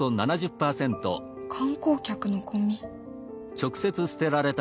観光客のゴミ。